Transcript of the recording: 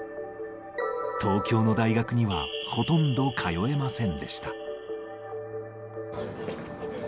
東京の大学にはほとんど通えませんでした。